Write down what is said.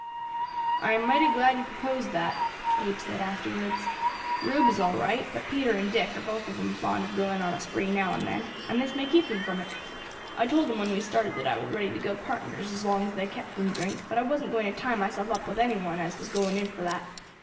"I am mighty glad you proposed that," Abe said, afterwards. "Rube is all right, but Peter and Dick are both of 'em fond of going on a spree now and then, and this may keep them from it. I told 'em when we started that I was ready to go partners as long as they kept from drink, but I wasn't going to tie myself up with any one as was going in for that.